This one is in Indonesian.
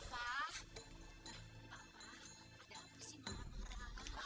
papa papa ada apa sih marah marah